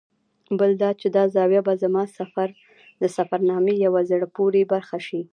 بل دا چې دا زاویه به زما د سفرنامې یوه زړه پورې برخه شي.